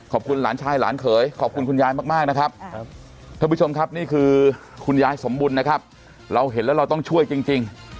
หลานชายหลานเขยขอบคุณคุณยายมากนะครับท่านผู้ชมครับนี่คือคุณยายสมบุญนะครับเราเห็นแล้วเราต้องช่วยจริง